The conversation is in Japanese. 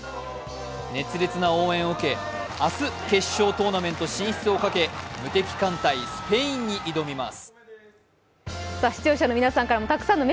熱烈な応援を受け、明日決勝トーナメント進出をかけ無敵艦隊・スペインに挑みます。